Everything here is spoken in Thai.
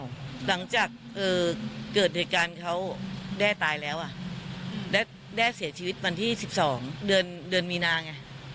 หลังจากเกิดเหตุการณ์เขาแด้ตายแล้วแด้เสียชีวิตวันที่๑๒เดือนมีนาไง